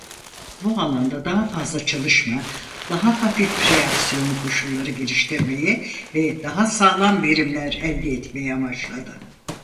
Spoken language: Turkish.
Bu alanda daha fazla çalışma daha hafif reaksiyon koşulları geliştirmeyi ve daha sağlam verimler elde etmeyi amaçladı.